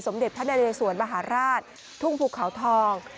สมเด็จพระนาจิสวรรค์มหาราชทุ่งภูเขาทอง